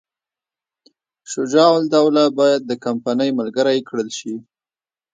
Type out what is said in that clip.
شجاع الدوله باید د کمپنۍ ملګری کړل شي.